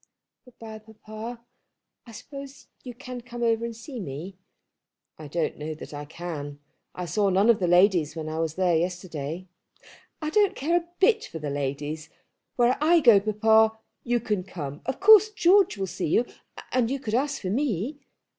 "Good bye, papa. I suppose you can come over and see me." "I don't know that I can. I saw none of the ladies when I was there yesterday." "I don't care a bit for the ladies. Where I go, papa, you can come. Of course George will see you, and you could ask for me."